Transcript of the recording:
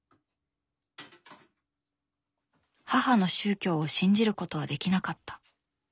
母の宗教を信じることはできなかった。